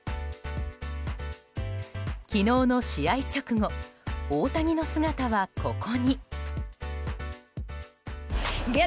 昨日の試合直後大谷の姿はここに。